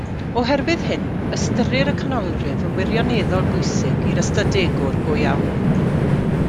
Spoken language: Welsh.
Oherwydd hyn, ystyrir y canolrif yn wirioneddol bwysig i'r ystadegwr go iawn.